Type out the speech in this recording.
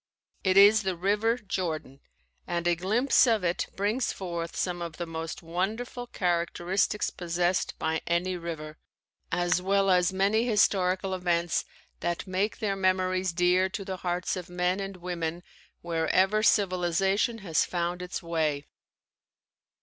It is the River Jordan, and a glimpse of it brings forth some of the most wonderful characteristics possessed by any river, as well as many historical events that make their memories dear to the hearts of men and women wherever civilization has found its way.